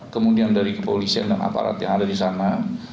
kemudian dari kepolisian dan aparat yang ada disana